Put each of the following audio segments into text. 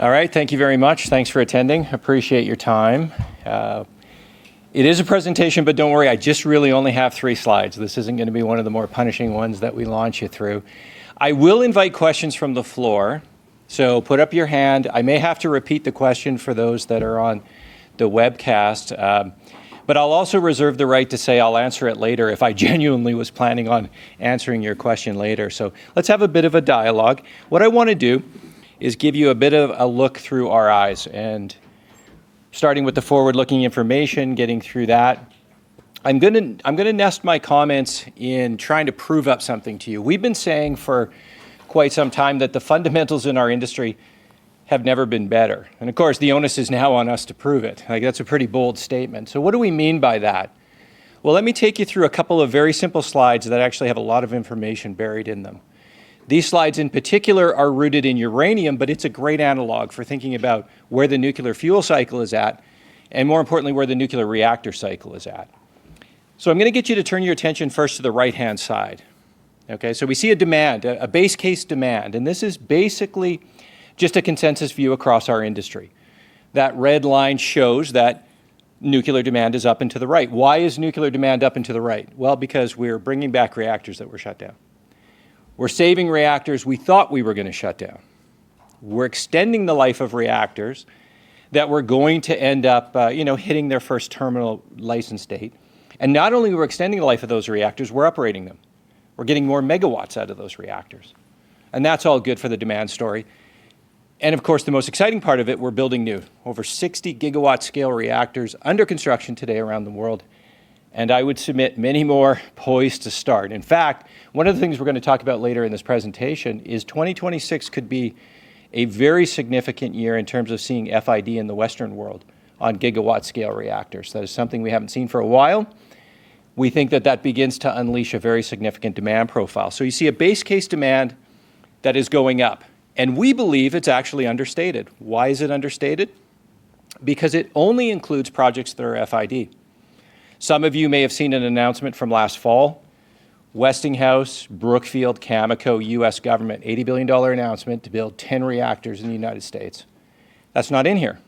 All right, thank you very much. Thanks for attending. Appreciate your time. It is a presentation, but don't worry, I just really only have three slides. This isn't going to be one of the more punishing ones that we launch you through. I will invite questions from the floor, so put up your hand. I may have to repeat the question for those that are on the webcast, but I'll also reserve the right to say I'll answer it later if I genuinely was planning on answering your question later. So let's have a bit of a dialogue. What I want to do is give you a bit of a look through our eyes, and starting with the forward-looking information, getting through that. I'm going to nest my comments in trying to prove up something to you. We've been saying for quite some time that the fundamentals in our industry have never been better. And of course, the onus is now on us to prove it. That's a pretty bold statement. So what do we mean by that? Well, let me take you through a couple of very simple slides that actually have a lot of information buried in them. These slides in particular are rooted in uranium, but it's a great analog for thinking about where the nuclear fuel cycle is at, and more importantly, where the nuclear reactor cycle is at. So I'm going to get you to turn your attention first to the right-hand side. So we see a demand, a base case demand, and this is basically just a consensus view across our industry. That red line shows that nuclear demand is up and to the right. Why is nuclear demand up and to the right? Well, because we're bringing back reactors that were shut down. We're saving reactors we thought we were going to shut down. We're extending the life of reactors that were going to end up hitting their first terminal license date. And not only are we extending the life of those reactors, we're operating them. We're getting more megawatts out of those reactors. And that's all good for the demand story. And of course, the most exciting part of it, we're building new over 60 gigawatt-scale reactors under construction today around the world. And I would submit many more poised to start. In fact, one of the things we're going to talk about later in this presentation is 2026 could be a very significant year in terms of seeing FID in the Western world ongigawatt-scale reactors. That is something we haven't seen for a while. We think that that begins to unleash a very significant demand profile, so you see a base case demand that is going up, and we believe it's actually understated. Why is it understated? Because it only includes projects that are FID. Some of you may have seen an announcement from last fall, Westinghouse, Brookfield, Cameco, U.S. government, $80 billion announcement to build 10 reactors in the United States. That's not in here.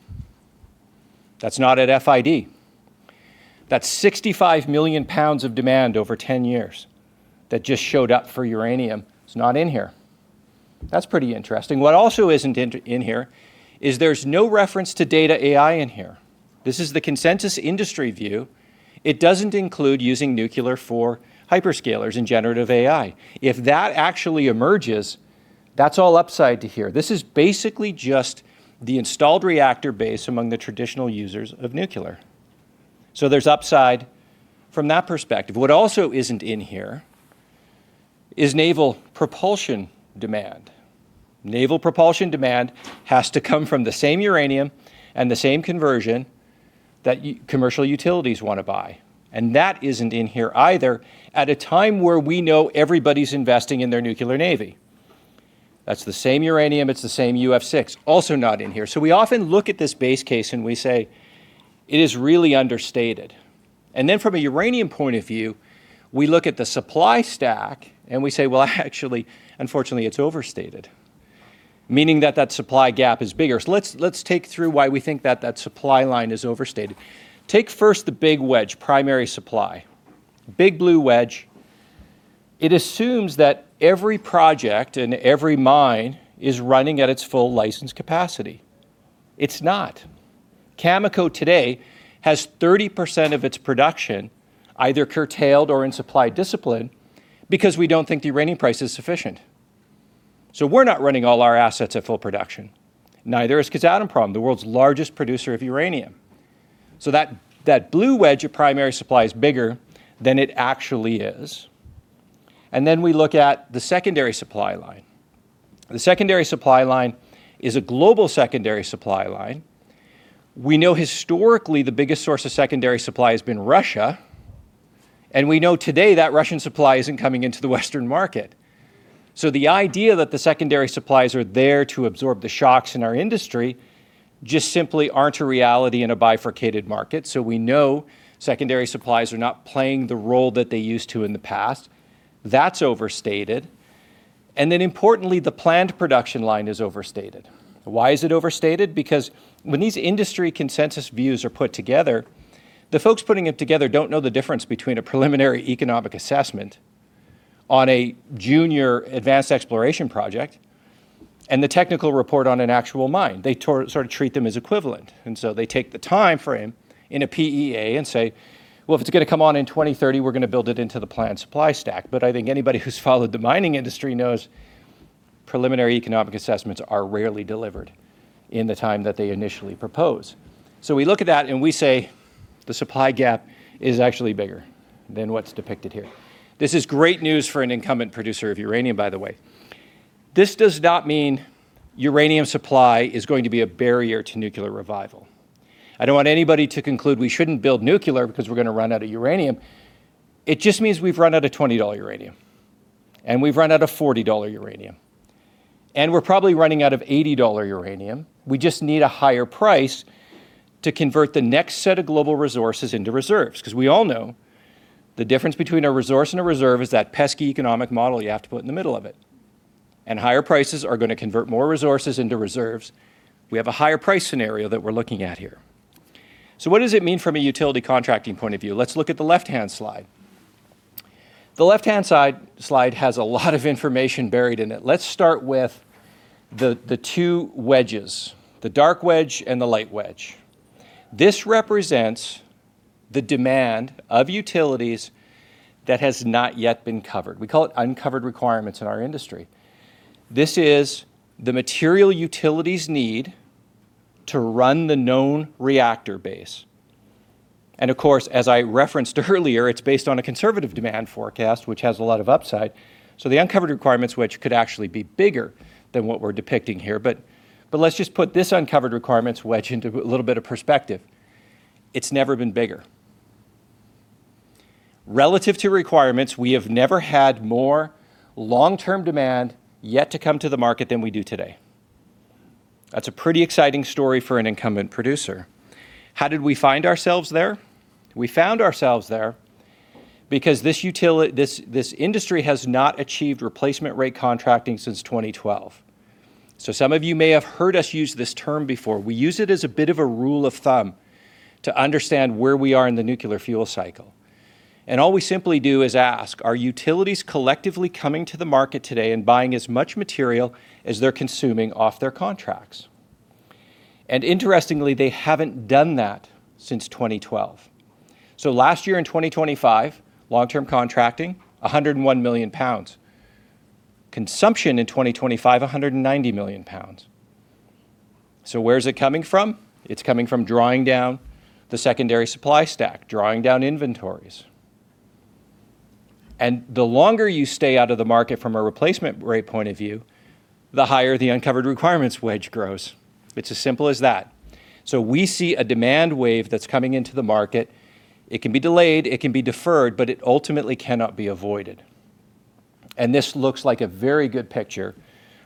That's not at FID. That's 65 million pounds of demand over 10 years that just showed up for uranium. It's not in here. That's pretty interesting. What also isn't in here is there's no reference to data AI in here. This is the consensus industry view. It doesn't include using nuclear for hyperscalers and generative AI. If that actually emerges, that's all upside to here. This is basically just the installed reactor base among the traditional users of nuclear. So there's upside from that perspective. What also isn't in here is naval propulsion demand. Naval propulsion demand has to come from the same uranium and the same conversion that commercial utilities want to buy. And that isn't in here either at a time where we know everybody's investing in their nuclear navy. That's the same uranium. It's the same UF6. Also not in here. So we often look at this base case and we say, it is really understated. And then from a uranium point of view, we look at the supply stack and we say, well, actually, unfortunately, it's overstated, meaning that that supply gap is bigger. So let's take through why we think that that supply line is overstated. Take first the big wedge, primary supply. Big blue wedge. It assumes that every project and every mine is running at its full license capacity. It's not. Cameco today has 30% of its production either curtailed or in supply discipline because we don't think the uranium price is sufficient. So we're not running all our assets at full production. Neither is Kazatomprom, the world's largest producer of uranium. So that blue wedge of primary supply is bigger than it actually is. And then we look at the secondary supply line. The secondary supply line is a global secondary supply line. We know historically the biggest source of secondary supply has been Russia. And we know today that Russian supply isn't coming into the Western market. So the idea that the secondary supplies are there to absorb the shocks in our industry just simply aren't a reality in a bifurcated market. So we know secondary supplies are not playing the role that they used to in the past. That's overstated. And then importantly, the planned production line is overstated. Why is it overstated? Because when these industry consensus views are put together, the folks putting them together don't know the difference between a preliminary economic assessment on a junior advanced exploration project and the technical report on an actual mine. They sort of treat them as equivalent. And so they take the time frame in a PEA and say, well, if it's going to come on in 2030, we're going to build it into the planned supply stack. But I think anybody who's followed the mining industry knows preliminary economic assessments are rarely delivered in the time that they initially propose. So we look at that and we say the supply gap is actually bigger than what's depicted here. This is great news for an incumbent producer of uranium, by the way. This does not mean uranium supply is going to be a barrier to nuclear revival. I don't want anybody to conclude we shouldn't build nuclear because we're going to run out of uranium. It just means we've run out of $20 uranium, and we've run out of $40 uranium, and we're probably running out of $80 uranium. We just need a higher price to convert the next set of global resources into reserves. Because we all know the difference between a resource and a reserve is that pesky economic model you have to put in the middle of it, and higher prices are going to convert more resources into reserves. We have a higher price scenario that we're looking at here, so what does it mean from a utility contracting point of view? Let's look at the left-hand slide. The left-hand side slide has a lot of information buried in it. Let's start with the two wedges, the dark wedge and the light wedge. This represents the demand of utilities that has not yet been covered. We call it uncovered requirements in our industry. This is the material utilities need to run the known reactor base. And of course, as I referenced earlier, it's based on a conservative demand forecast, which has a lot of upside. So the uncovered requirements, which could actually be bigger than what we're depicting here, but let's just put this uncovered requirements wedge into a little bit of perspective. It's never been bigger. Relative to requirements, we have never had more long-term demand yet to come to the market than we do today. That's a pretty exciting story for an incumbent producer. How did we find ourselves there? We found ourselves there because this industry has not achieved replacement rate contracting since 2012. So some of you may have heard us use this term before. We use it as a bit of a rule of thumb to understand where we are in the nuclear fuel cycle. And all we simply do is ask, are utilities collectively coming to the market today and buying as much material as they're consuming off their contracts? And interestingly, they haven't done that since 2012. So last year in 2025, long-term contracting, 101 million pounds. Consumption in 2025, 190 million pounds. So where's it coming from? It's coming from drawing down the secondary supply stack, drawing down inventories. And the longer you stay out of the market from a replacement rate point of view, the higher the uncovered requirements wedge grows. It's as simple as that. So we see a demand wave that's coming into the market. It can be delayed, it can be deferred, but it ultimately cannot be avoided. And this looks like a very good picture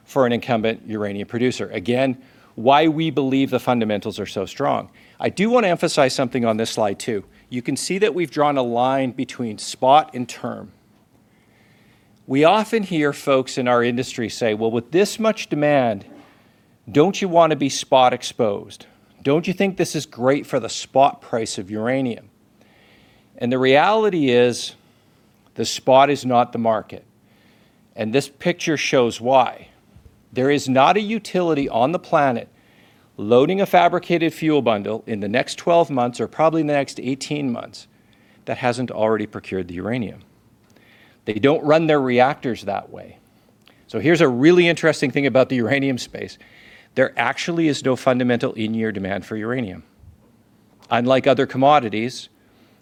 for an incumbent uranium producer. Again, why we believe the fundamentals are so strong. I do want to emphasize something on this slide too. You can see that we've drawn a line between spot and term. We often hear folks in our industry say, well, with this much demand, don't you want to be spot exposed? Don't you think this is great for the spot price of uranium? And the reality is the spot is not the market. And this picture shows why. There is not a utility on the planet loading a fabricated fuel bundle in the next 12 months or probably in the next 18 months that hasn't already procured the uranium. They don't run their reactors that way. So here's a really interesting thing about the uranium space. There actually is no fundamental in-year demand for uranium. Unlike other commodities,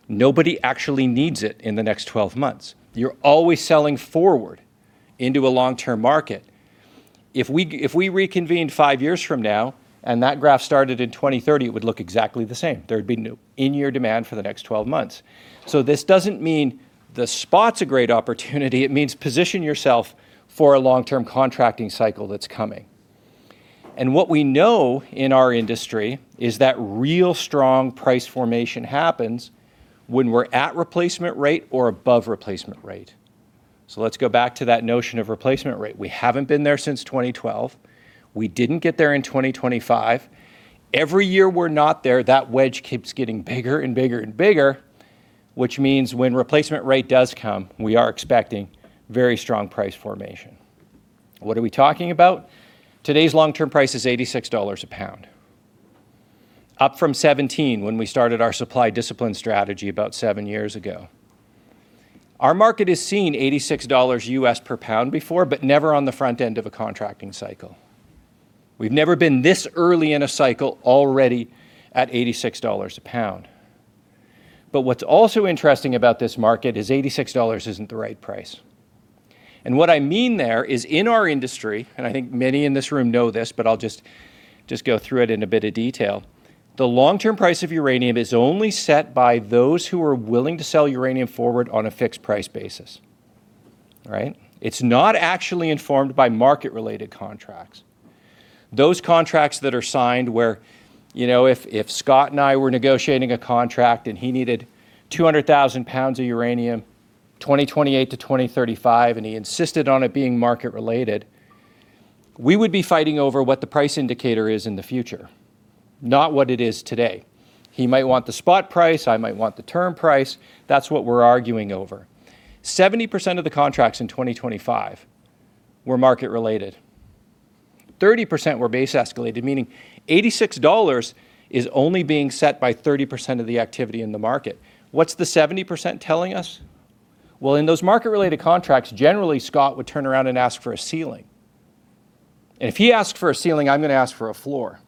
nobody actually needs it in the next 12 months. You're always selling forward into a long-term market. If we reconvene five years from now and that graph started in 2030, it would look exactly the same. There would be in-year demand for the next 12 months. So this doesn't mean the spot's a great opportunity. It means position yourself for a long-term contracting cycle that's coming. And what we know in our industry is that real strong price formation happens when we're at replacement rate or above replacement rate. So let's go back to that notion of replacement rate. We haven't been there since 2012. We didn't get there in 2025. Every year we're not there, that wedge keeps getting bigger and bigger and bigger, which means when replacement rate does come, we are expecting very strong price formation. What are we talking about? Today's long-term price is $86 a pound, up from $17 when we started our supply discipline strategy about seven years ago. Our market has seen $86 U.S. per pound before, but never on the front end of a contracting cycle. We've never been this early in a cycle already at $86 a pound. But what's also interesting about this market is $86 isn't the right price. And what I mean there is in our industry, and I think many in this room know this, but I'll just go through it in a bit of detail. The long-term price of uranium is only set by those who are willing to sell uranium forward on a fixed price basis. It's not actually informed by market-related contracts. Those contracts that are signed where if Scott and I were negotiating a contract and he needed 200,000 pounds of uranium 2028-2035 and he insisted on it being market-related, we would be fighting over what the price indicator is in the future, not what it is today. He might want the spot price, I might want the term price. That's what we're arguing over. 70% of the contracts in 2025 were market-related. 30% were base escalated, meaning $86 is only being set by 30% of the activity in the market. What's the 70% telling us? Well, in those market-related contracts, generally, Scott would turn around and ask for a ceiling. And if he asked for a ceiling, I'm going to ask for a floor.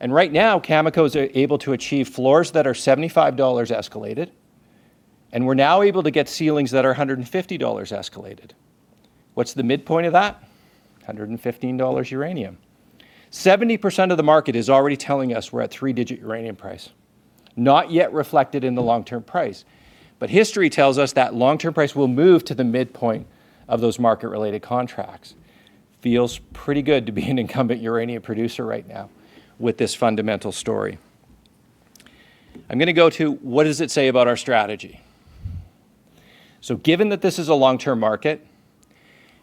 And right now, Cameco is able to achieve floors that are $75 escalated. We're now able to get ceilings that are $150 escalated. What's the midpoint of that? $115 uranium. 70% of the market is already telling us we're at three-digit uranium price, not yet reflected in the long-term price. But history tells us that long-term price will move to the midpoint of those market-related contracts. Feels pretty good to be an incumbent uranium producer right now with this fundamental story. I'm going to go to what does it say about our strategy? Given that this is a long-term market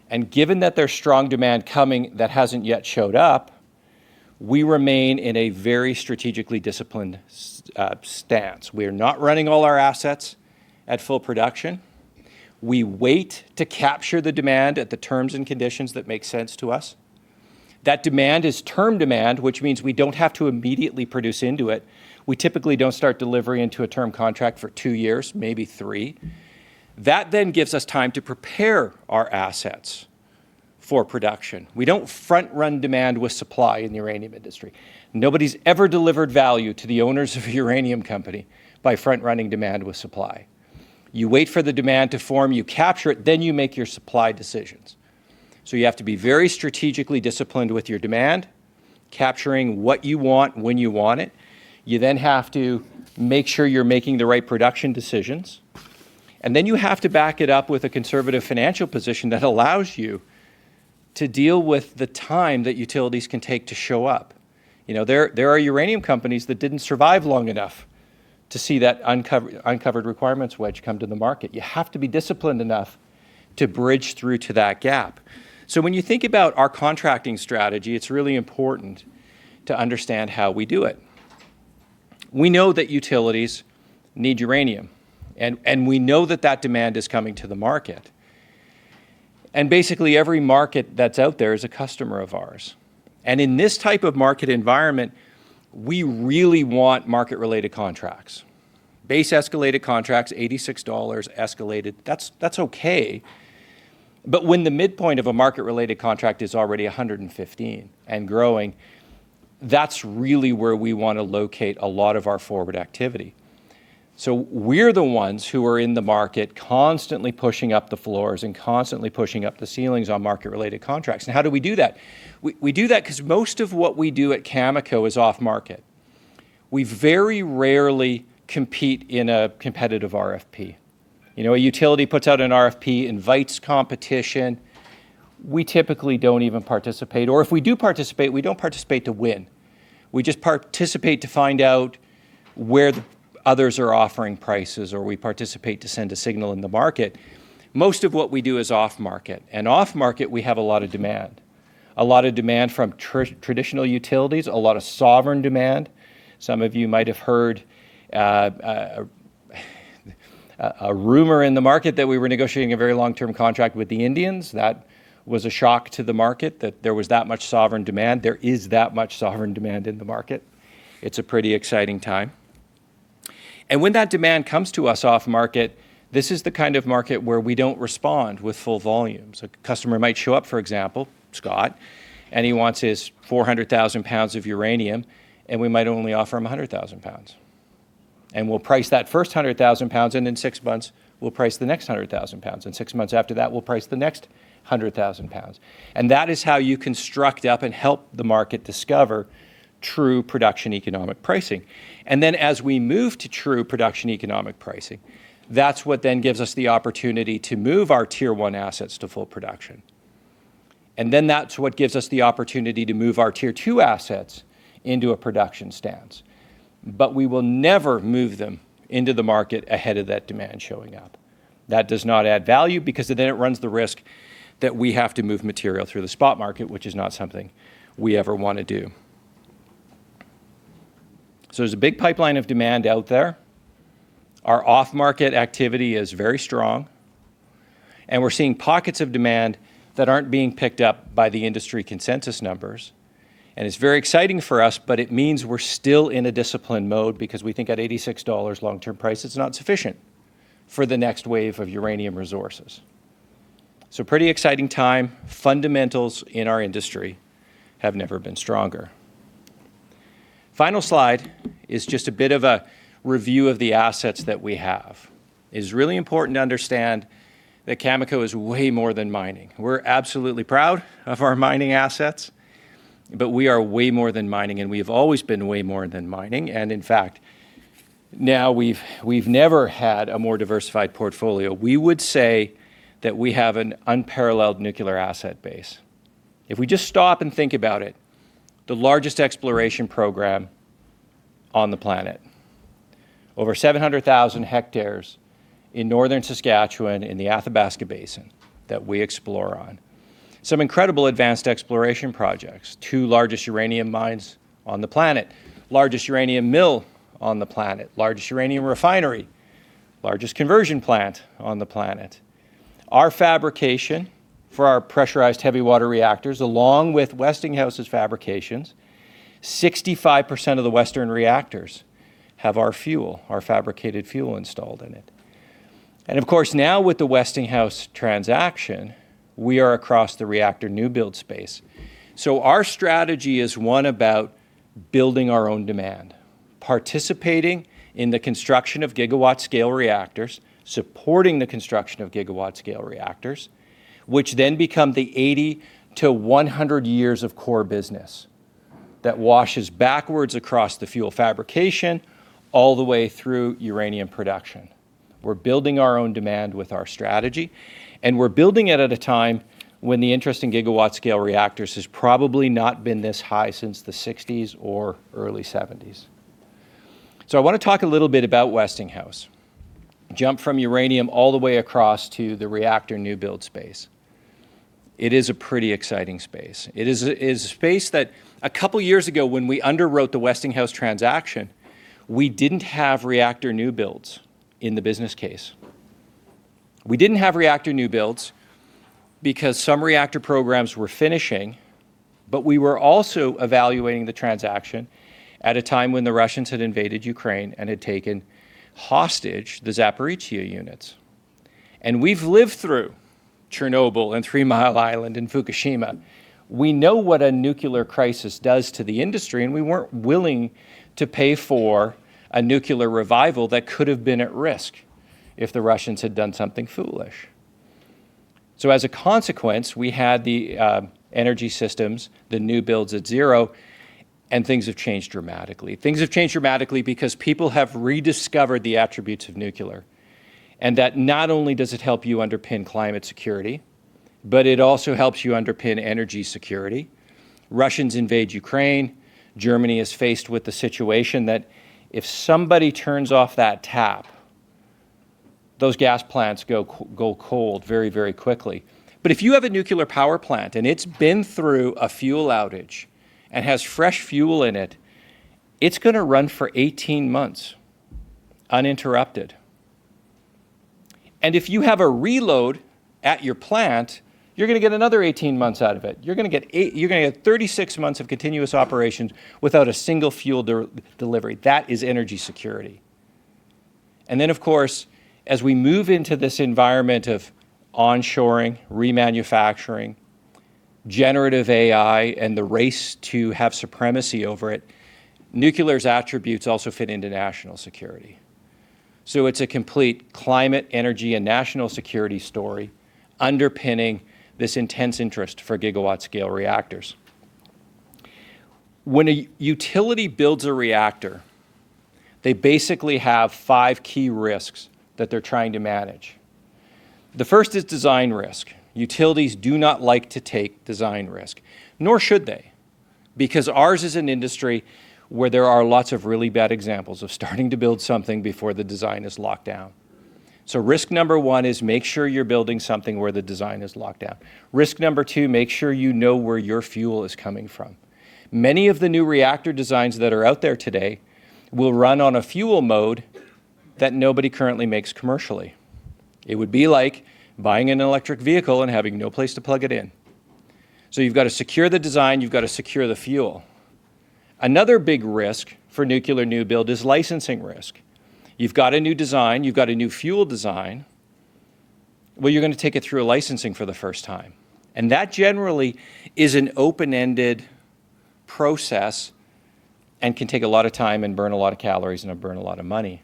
and given that there's strong demand coming that hasn't yet showed up, we remain in a very strategically disciplined stance. We are not running all our assets at full production. We wait to capture the demand at the terms and conditions that make sense to us. That demand is term demand, which means we don't have to immediately produce into it. We typically don't start delivery into a term contract for two years, maybe three. That then gives us time to prepare our assets for production. We don't front-run demand with supply in the uranium industry. Nobody's ever delivered value to the owners of a uranium company by front-running demand with supply. You wait for the demand to form, you capture it, then you make your supply decisions. So you have to be very strategically disciplined with your demand, capturing what you want when you want it. You then have to make sure you're making the right production decisions. And then you have to back it up with a conservative financial position that allows you to deal with the time that utilities can take to show up. There are uranium companies that didn't survive long enough to see that uncovered requirements wedge come to the market. You have to be disciplined enough to bridge through to that gap. So when you think about our contracting strategy, it's really important to understand how we do it. We know that utilities need uranium. And we know that that demand is coming to the market. And basically, every market that's out there is a customer of ours. And in this type of market environment, we really want market-related contracts. Base escalated contracts, $86 escalated, that's okay. But when the midpoint of a market-related contract is already $115 and growing, that's really where we want to locate a lot of our forward activity. So we're the ones who are in the market constantly pushing up the floors and constantly pushing up the ceilings on market-related contracts. And how do we do that? We do that because most of what we do at Cameco is off-market. We very rarely compete in a competitive RFP. A utility puts out an RFP, invites competition. We typically don't even participate, or if we do participate, we don't participate to win. We just participate to find out where others are offering prices, or we participate to send a signal in the market. Most of what we do is off-market, and off-market, we have a lot of demand. A lot of demand from traditional utilities, a lot of sovereign demand. Some of you might have heard a rumor in the market that we were negotiating a very long-term contract with the Indians. That was a shock to the market that there was that much sovereign demand. There is that much sovereign demand in the market. It's a pretty exciting time, and when that demand comes to us off-market, this is the kind of market where we don't respond with full volumes. A customer might show up, for example, Scott, and he wants his 400,000 pounds of uranium, and we might only offer him 100,000 pounds, and we'll price that first 100,000 pounds, and in six months, we'll price the next 100,000 pounds, and six months after that, we'll price the next 100,000 pounds, and that is how you construct up and help the market discover true production economic pricing, and then as we move to true production economic pricing, that's what then gives us the opportunity to move our tier-one assets to full production, and then that's what gives us the opportunity to move our tier-two assets into a production stance, but we will never move them into the market ahead of that demand showing up. That does not add value because then it runs the risk that we have to move material through the spot market, which is not something we ever want to do. So there's a big pipeline of demand out there. Our off-market activity is very strong. And we're seeing pockets of demand that aren't being picked up by the industry consensus numbers. And it's very exciting for us, but it means we're still in a disciplined mode because we think at $86 long-term price, it's not sufficient for the next wave of uranium resources. So pretty exciting time. Fundamentals in our industry have never been stronger. Final slide is just a bit of a review of the assets that we have. It's really important to understand that Cameco is way more than mining. We're absolutely proud of our mining assets, but we are way more than mining, and we have always been way more than mining. In fact, now we've never had a more diversified portfolio. We would say that we have an unparalleled nuclear asset base. If we just stop and think about it, the largest exploration program on the planet, over 700,000 hectares in northern Saskatchewan in the Athabasca Basin that we explore on. Some incredible advanced exploration projects, two largest uranium mines on the planet, largest uranium mill on the planet, largest uranium refinery, largest conversion plant on the planet. Our fabrication for our pressurized heavy water reactors, along with Westinghouse's fabrications, 65% of the Western reactors have our fuel, our fabricated fuel installed in it. Of course, now with the Westinghouse transaction, we are across the reactor new build space. Our strategy is one about building our own demand, participating in the construction of gigawatt-scale reactors, supporting the construction of gigawatt-scale reactors, which then become the 80-100 years of core business that washes backwards across the fuel fabrication all the way through uranium production. We're building our own demand with our strategy, and we're building it at a time when the interest in gigawatt-scale reactors has probably not been this high since the 1960s or early 1970s. I want to talk a little bit about Westinghouse, jump from uranium all the way across to the reactor new build space. It is a pretty exciting space. It is a space that a couple of years ago, when we underwrote the Westinghouse transaction, we didn't have reactor new builds in the business case. We didn't have reactor new builds because some reactor programs were finishing, but we were also evaluating the transaction at a time when the Russians had invaded Ukraine and had taken hostage the Zaporizhzhia units. And we've lived through Chernobyl and Three Mile Island and Fukushima. We know what a nuclear crisis does to the industry, and we weren't willing to pay for a nuclear revival that could have been at risk if the Russians had done something foolish. So as a consequence, we had the Energy Systems, the new builds at zero, and things have changed dramatically. Things have changed dramatically because people have rediscovered the attributes of nuclear. And that not only does it help you underpin climate security, but it also helps you underpin energy security. Russians invade Ukraine. Germany is faced with the situation that if somebody turns off that tap, those gas plants go cold very, very quickly. But if you have a nuclear power plant and it's been through a fuel outage and has fresh fuel in it, it's going to run for 18 months uninterrupted. And if you have a reload at your plant, you're going to get another 18 months out of it. You're going to get 36 months of continuous operations without a single fuel delivery. That is energy security. And then, of course, as we move into this environment of onshoring, remanufacturing, Generative AI, and the race to have supremacy over it, nuclear's attributes also fit into national security. So it's a complete climate, energy, and national security story underpinning this intense interest for gigawatt-scale reactors. When a utility builds a reactor, they basically have five key risks that they're trying to manage. The first is design risk. Utilities do not like to take design risk, nor should they, because ours is an industry where there are lots of really bad examples of starting to build something before the design is locked down. So risk number one is make sure you're building something where the design is locked down. Risk number two, make sure you know where your fuel is coming from. Many of the new reactor designs that are out there today will run on a fuel mode that nobody currently makes commercially. It would be like buying an electric vehicle and having no place to plug it in. So you've got to secure the design, you've got to secure the fuel. Another big risk for nuclear new build is licensing risk. You've got a new design, you've got a new fuel design, well, you're going to take it through a licensing for the first time, and that generally is an open-ended process and can take a lot of time and burn a lot of calories and burn a lot of money.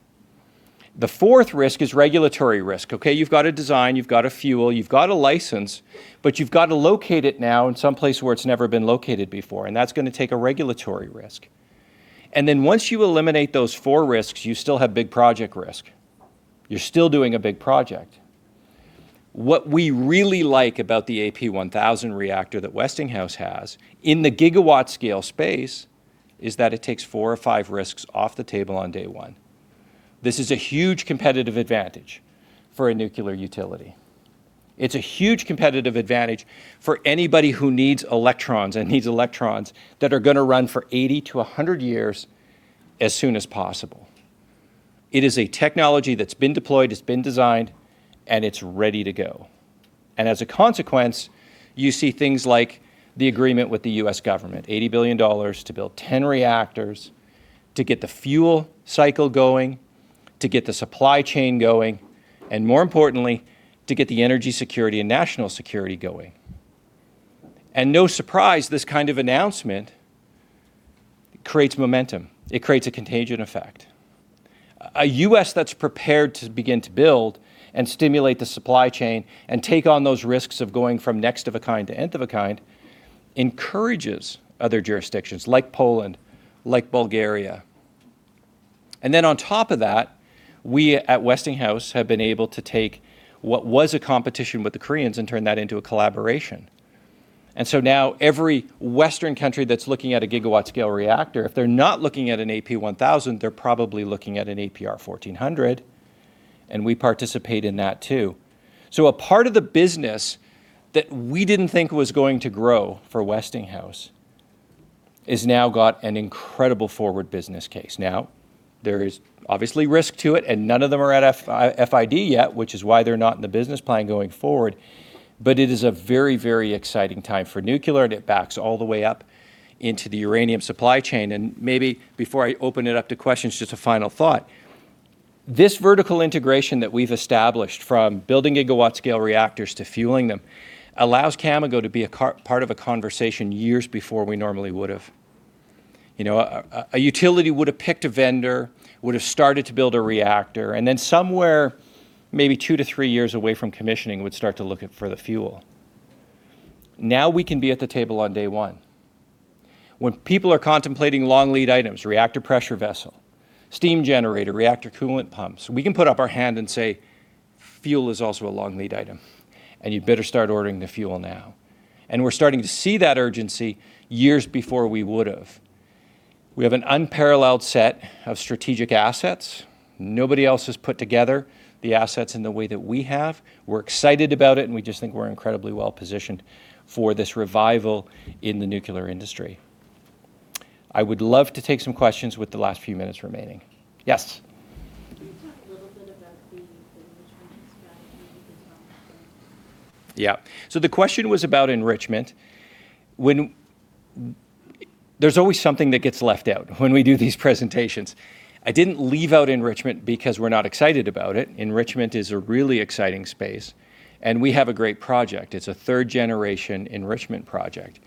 The fourth risk is regulatory risk. Okay, you've got a design, you've got a fuel, you've got a license, but you've got to locate it now in someplace where it's never been located before, and that's going to take a regulatory risk, and then once you eliminate those four risks, you still have big project risk. You're still doing a big project. What we really like about the AP1000 reactor that Westinghouse has in the gigawatt-scale space is that it takes four or five risks off the table on day one. This is a huge competitive advantage for a nuclear utility. It's a huge competitive advantage for anybody who needs electrons and needs electrons that are going to run for 80 to 100 years as soon as possible. It is a technology that's been deployed, it's been designed, and it's ready to go, and as a consequence, you see things like the agreement with the U.S. government, $80 billion to build 10 reactors to get the fuel cycle going, to get the supply chain going, and more importantly, to get the energy security and national security going, and no surprise, this kind of announcement creates momentum. It creates a contagion effect. A U.S. that's prepared to begin to build and stimulate the supply chain and take on those risks of going from Nth of a kind to nth of a kind encourages other jurisdictions like Poland, like Bulgaria. And then on top of that, we at Westinghouse have been able to take what was a competition with the Koreans and turn that into a collaboration. And so now every Western country that's looking at a gigawatt-scale reactor, if they're not looking at an AP1000, they're probably looking at an APR1400, and we participate in that too. So a part of the business that we didn't think was going to grow for Westinghouse has now got an incredible forward business case. Now, there is obviously risk to it, and none of them are at FID yet, which is why they're not in the business plan going forward, but it is a very, very exciting time for nuclear, and it backs all the way up into the uranium supply chain. And maybe before I open it up to questions, just a final thought. This vertical integration that we've established from building gigawatt-scale reactors to fueling them allows Cameco to be a part of a conversation years before we normally would have. A utility would have picked a vendor, would have started to build a reactor, and then somewhere maybe two to three years away from commissioning would start to look for the fuel. Now we can be at the table on day one. When people are contemplating long lead items, reactor pressure vessel, steam generator, reactor coolant pumps, we can put up our hand and say, "Fuel is also a long lead item, and you better start ordering the fuel now." And we're starting to see that urgency years before we would have. We have an unparalleled set of strategic assets. Nobody else has put together the assets in the way that we have. We're excited about it, and we just think we're incredibly well positioned for this revival in the nuclear industry. I would love to take some questions with the last few minutes remaining. Yes. Can you talk a little bit about the enrichment strategy we've been talking about? Yeah. So the question was about enrichment. There's always something that gets left out when we do these presentations. I didn't leave out enrichment because we're not excited about it. Enrichment is a really exciting space, and we have a great project. It's a third-generation enrichment project.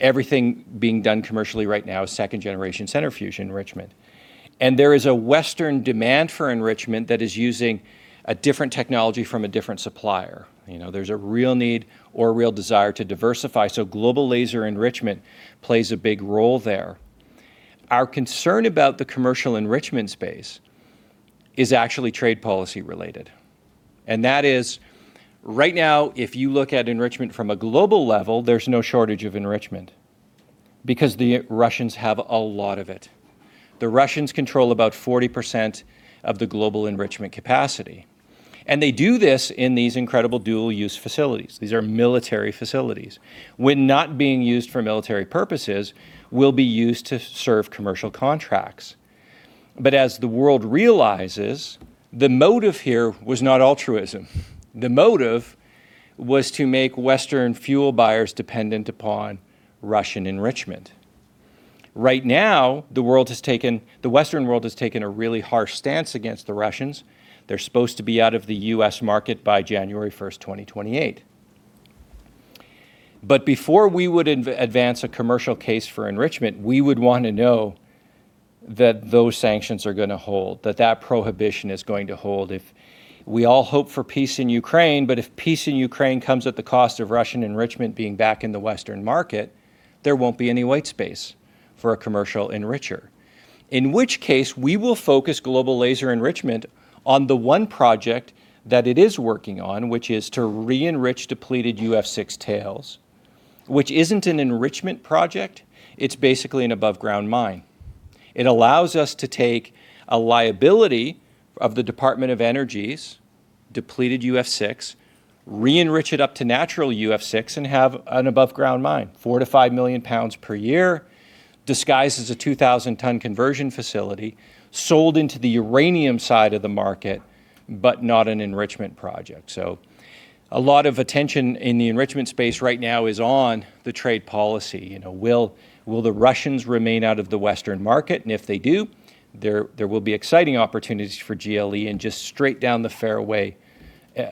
Everything being done commercially right now is second-generation centrifuge enrichment. And there is a Western demand for enrichment that is using a different technology from a different supplier. There's a real need or real desire to diversify, so Global Laser Enrichment plays a big role there. Our concern about the commercial enrichment space is actually trade policy related. And that is, right now, if you look at enrichment from a global level, there's no shortage of enrichment because the Russians have a lot of it. The Russians control about 40% of the global enrichment capacity. And they do this in these incredible dual-use facilities. These are military facilities. When not being used for military purposes, will be used to serve commercial contracts. But as the world realizes, the motive here was not altruism. The motive was to make Western fuel buyers dependent upon Russian enrichment. Right now, the Western world has taken a really harsh stance against the Russians. They're supposed to be out of the U.S. market by January 1st, 2028. But before we would advance a commercial case for enrichment, we would want to know that those sanctions are going to hold, that that prohibition is going to hold. We all hope for peace in Ukraine, but if peace in Ukraine comes at the cost of Russian enrichment being back in the Western market, there won't be any white space for a commercial enricher. In which case, we will focus Global Laser Enrichment on the one project that it is working on, which is to re-enrich depleted UF6 tails, which isn't an enrichment project. It's basically an above-ground mine. It allows us to take a liability of the Department of Energy's depleted UF6, re-enrich it up to natural UF6, and have an above-ground mine, four to five million pounds per year, disguised as a 2,000-ton conversion facility, sold into the uranium side of the market, but not an enrichment project. So a lot of attention in the enrichment space right now is on the trade policy. Will the Russians remain out of the Western market? And if they do, there will be exciting opportunities for GLE and just straight down the fairway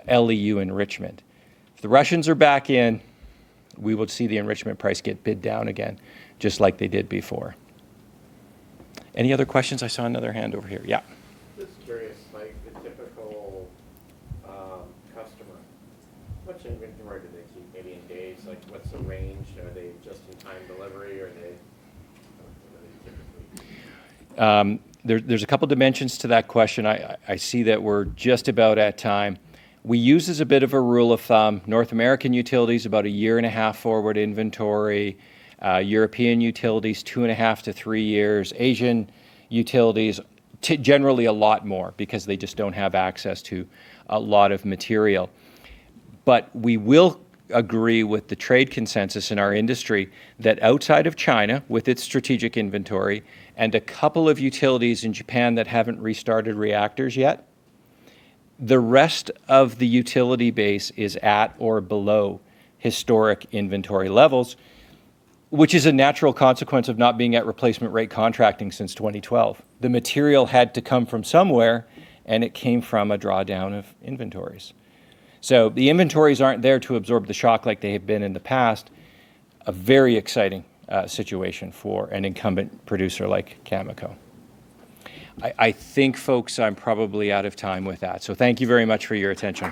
LEU enrichment. If the Russians are back in, we will see the enrichment price get bid down again, just like they did before. Any other questions? I saw another hand over here. Yeah. Just curious, the typical customer, how much enrichment do they keep? Maybe in days? What's the range? Are they just in time delivery? Are they typically? There's a couple of dimensions to that question. I see that we're just about at time. We use, as a bit of a rule of thumb, North American utilities about a year and a half forward inventory, European utilities two and a half to three years, Asian utilities, generally a lot more because they just don't have access to a lot of material. But we will agree with the trade consensus in our industry that outside of China, with its strategic inventory and a couple of utilities in Japan that haven't restarted reactors yet, the rest of the utility base is at or below historic inventory levels, which is a natural consequence of not being at replacement rate contracting since 2012. The material had to come from somewhere, and it came from a drawdown of inventories. So the inventories aren't there to absorb the shock like they have been in the past. A very exciting situation for an incumbent producer like Cameco. I think, folks, I'm probably out of time with that. So thank you very much for your attention.